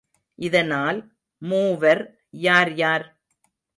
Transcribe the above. இதனால், மூவர் யார் யார்?